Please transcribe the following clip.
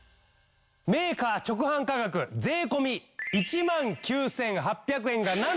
メーカー直販価格税込１万９８００円がなんと。